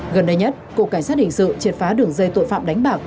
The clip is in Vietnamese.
gần đây nhất cục cảnh sát hình sự triệt phá đường dây tội phạm đánh bạc